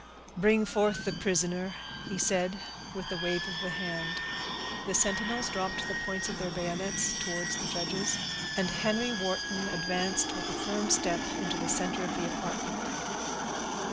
"Bring forth the prisoner," he said, with a wave of the hand. The sentinels dropped the points of their bayonets towards the judges, and Henry Wharton advanced, with a firm step, into the center of the apartment.